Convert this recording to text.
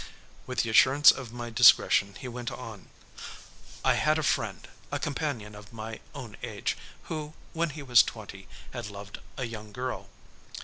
With the assurance of my discretion he went on: "I had a friend, a companion of my own age, who, when he was twenty, had loved a young girl.